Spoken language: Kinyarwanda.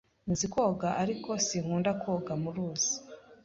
Nzi koga, ariko sinkunda koga muruzi.